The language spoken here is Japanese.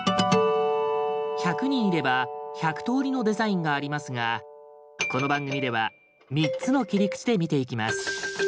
１００人いれば１００通りのデザインがありますがこの番組では３つの切り口で見ていきます。